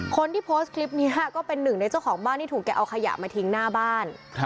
คนที่โพสต์คลิปนี้ก็เป็นหนึ่งในเจ้าของบ้านที่ถูกแกเอาขยะมาทิ้งหน้าบ้าน